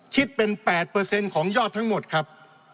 คิดเป็น๘ของยอดทั้งหมดครับ